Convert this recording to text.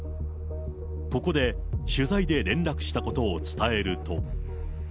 ここで取材で連絡したことを伝えると。